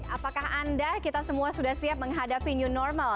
apakah anda kita semua sudah siap menghadapi new normal